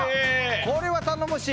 これは頼もしい！